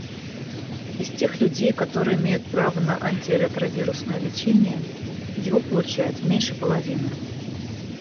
Из тех людей, которые имеют право на антиретровирусное лечение, его получают меньше половины.